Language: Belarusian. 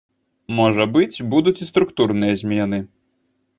Можа быць, будуць і структурныя змены.